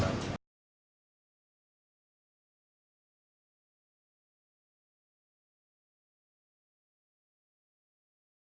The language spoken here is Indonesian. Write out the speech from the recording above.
terima kasih aja mak surprisingly